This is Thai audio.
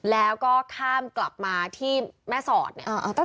แล้วก็ข้ามกลับมาที่แม่สอดเนี่ย